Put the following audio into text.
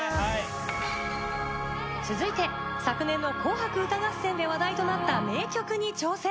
続いて昨年の『紅白歌合戦』で話題となった名曲に挑戦。